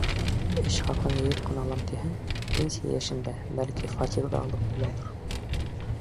Эш хаҡын йыйып ҡына алам тиһәң, пенсия йәшендә, бәлки, фатир ҙа алып булалыр.